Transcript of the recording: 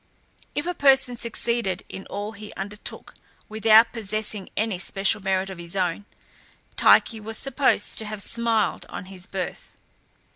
If a person succeeded in all he undertook without possessing any special merit of his own, Tyche was supposed to have smiled on his birth.